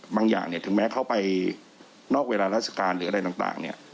อย่างเนี่ยถึงแม้เข้าไปนอกเวลาราชการหรืออะไรต่างเนี่ย